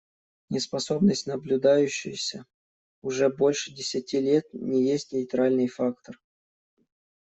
Неспособность, наблюдающаяся уже больше десяти лет, не есть нейтральный фактор.